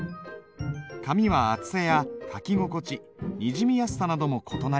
紙は厚さや書き心地にじみやすさなども異なります。